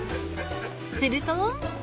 ［すると］